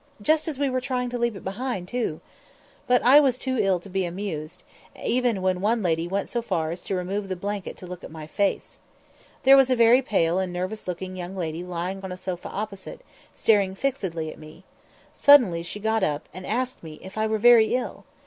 "Just as we were trying to leave it behind too!" But I was too ill to be amused, even when one lady went so far as to remove the blanket to look at my face. There was a very pale and nervous looking young lady lying on a sofa opposite, staring fixedly at me. Suddenly she got up, and asked me if I were very ill?